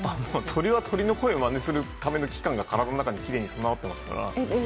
鳥は鳥の声をまねするための器官が体の中に備わっていますから。